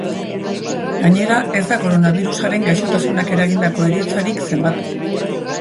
Gainera, ez da koronabirusaren gaixotasunak eragindako heriotzarik zenbatu.